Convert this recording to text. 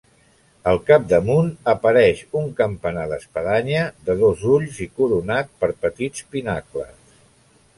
Al capdamunt apareix un campanar d'espadanya de dos ulls i coronat per petits pinacles.